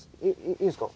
いいんすか？